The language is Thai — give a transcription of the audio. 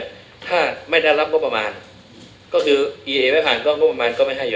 และห้ามให้ศิษย์กับผู้รับจ้างลายนั้นลงไปในพืชที่